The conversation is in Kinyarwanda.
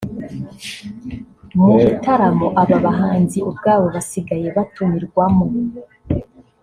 Mu bitaramo aba bahanzi ubwabo basigaye batumirwamo